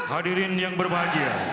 hadirin yang berbahagia